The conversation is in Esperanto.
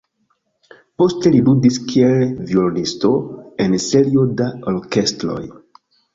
Poste li ludis kiel violonisto en serio da orkestroj.